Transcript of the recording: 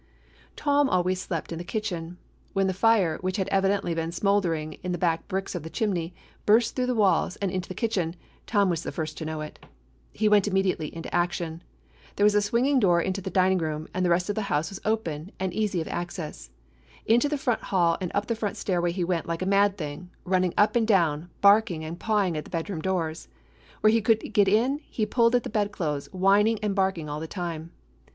Tom always slept in the kitchen. When the fire, which had evidently been smoldering in the back bricks of the chimney, burst through the walls and into the kitchen, Tom was the first to know it. He went immediately into action. There 248 A DOG OF THE EASTERN STATES was a swinging door into the dining room, and the rest of the house was open and easy of access. Into the front hall and up the front stairway he went like a mad thing, running up and down, barking and pawing at the bed room doors. Where he could get in he pulled at the bed clothes, whining and barking all the time.